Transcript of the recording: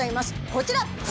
こちら！